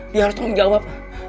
dia harus tanggung jawab